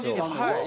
はい。